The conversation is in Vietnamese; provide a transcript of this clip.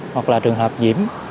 hoặc là trường hợp diễm